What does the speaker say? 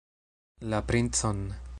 La princon!